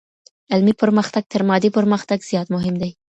علمي پرمختګ تر مادي پرمختګ زيات مهم دی.